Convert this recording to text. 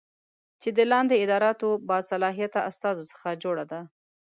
چې د لاندې اداراتو له باصلاحیته استازو څخه جوړه دی